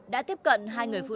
đã tiếp cận hai người phụ nữ